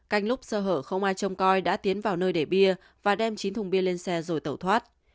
canh lúc sơ hở không ai trông coi đã tiến vào nơi để bia và đem chín thùng bia lên xe rồi tẩu thoát